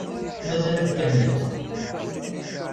Mazal ad tekkat lehwa!